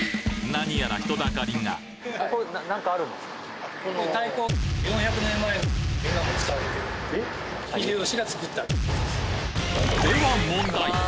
何やら人だかりがでは問題！